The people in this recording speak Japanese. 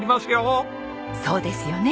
そうですよね！